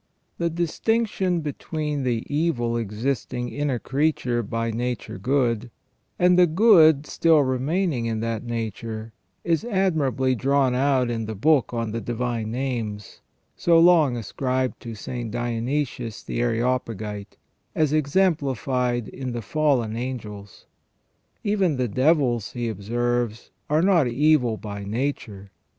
* The distinction between the evil existing in a creature by nature good, and the good still remaining in that nature, is admirably drawn out in the book on the Divine Names, so long ascribed to St. Dionysius the Areopagite, as exemplified in the fallen angels. Even the devils, he observes, are not evil by nature.